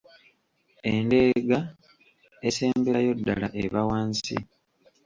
Endeega esemberayo ddala eba wansi.